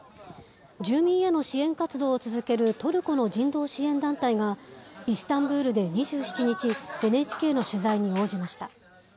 住民への支援活動を続けるトルコの人道支援団体が、イスタンブールで２７日、ＮＨＫの取材に応じました。